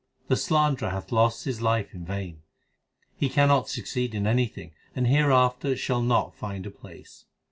The slanderer hath lost his life in vain. He cannot succeed in anything, and hereafter shall not find a place.